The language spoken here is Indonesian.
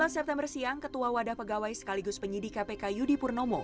dua puluh september siang ketua wadah pegawai sekaligus penyidik kpk yudi purnomo